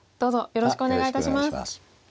よろしくお願いします。